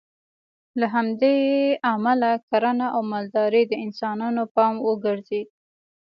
له همدې امله کرنه او مالداري د انسانانو پام وګرځېد